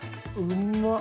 うまっ。